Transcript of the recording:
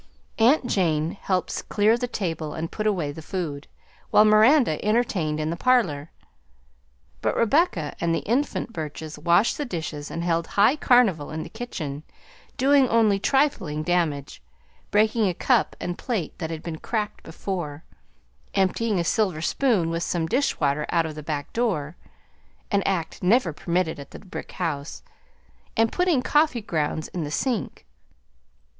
Aunt Jane helped clear the table and put away the food, while Miranda entertained in the parlor; but Rebecca and the infant Burches washed the dishes and held high carnival in the kitchen, doing only trifling damage breaking a cup and plate that had been cracked before, emptying a silver spoon with some dishwater out of the back door (an act never permitted at the brick house), and putting coffee grounds in the sink.